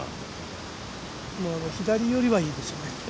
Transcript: でも、左よりはいいですよね。